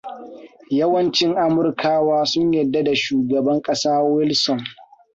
Yawancin Amurkawa sun yadda da shugaban kasa Wilson.